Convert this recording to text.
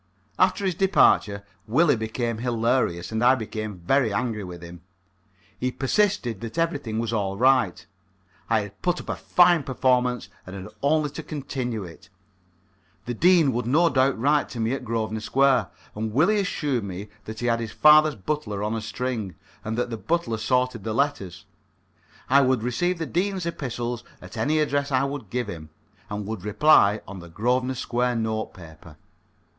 After his departure Willie became hilarious and I became very angry with him. He persisted that everything was all right. I had put up a fine performance and had only to continue it. The Dean would no doubt write to me at Grosvenor Square, and Willie assured me that he had his father's butler on a string, and that the butler sorted the letters. I would receive the Dean's epistles at any address I would give him, and would reply on the Grosvenor Square notepaper.